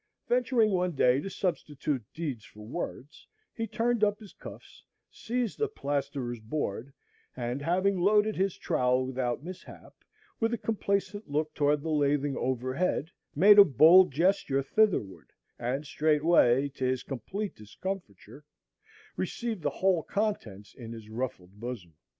Venturing one day to substitute deeds for words, he turned up his cuffs, seized a plasterer's board, and having loaded his trowel without mishap, with a complacent look toward the lathing overhead, made a bold gesture thitherward; and straightway, to his complete discomfiture, received the whole contents in his ruffled bosom.